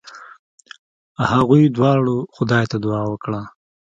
هغوی دواړو خدای ته دعا وکړه.